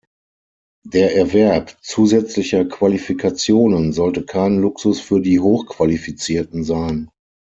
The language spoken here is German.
Der Erwerb zusätzlicher Qualifikationen sollte kein Luxus für die Hochqualifizierten sein.